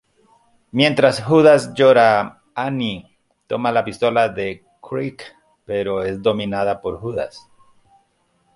Mientras Judas llora, Annie toma la pistola de Creek pero es dominada por Judas.